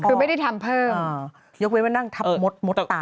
คือไม่ได้ทำเพิ่มยกไว้ว่าตามดตาย